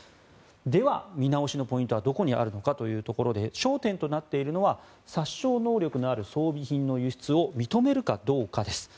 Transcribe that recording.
では、見直しのポイントはどこにあるのかというところで焦点となっているのは殺傷能力のある装備品の輸出を認めるかどうかです。